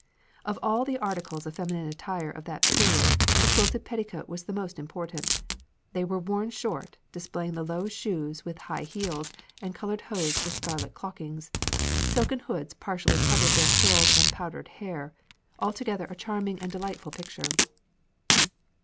Of all the articles of feminine attire of that period the quilted petticoat was the most important. They were worn short, displaying the low shoes with high heels and coloured hose with scarlet clockings; silken hoods partially covered their curled and powdered hair; altogether a charming and delightful picture."